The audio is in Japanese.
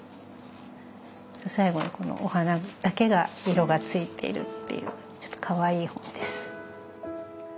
最後にこのお花だけが色がついているっていうちょっとかわいい本です。